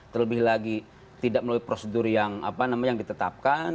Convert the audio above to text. terlebih lagi tidak melalui prosedur yang ditetapkan